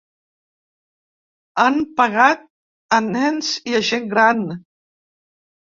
Han pegat a nens i a gent gran.